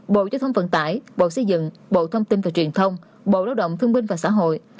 bộ giao thông vận tải bộ xây dựng bộ thông tin và truyền thông bộ lao động thương binh và xã hội